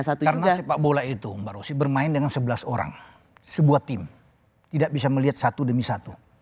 karena sepak bola itu mbak rosy bermain dengan sebelas orang sebuah tim tidak bisa melihat satu demi satu